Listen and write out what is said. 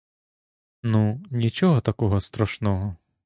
Ну, нічого такого страшного.